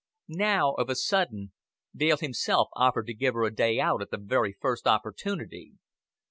Now, of a sudden, Dale himself offered to give her a day out at the very first opportunity.